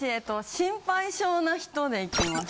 心配性な人でいきます。